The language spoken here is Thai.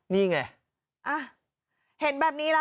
นี่ไงเห็นแบบนี้แล้ว